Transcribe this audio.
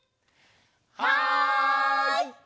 はい！